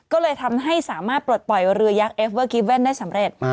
ก็เลยทำให้สามารถปลดปล่อยเรือยักษ์เอฟเวอร์กิเว่นได้สำเร็จ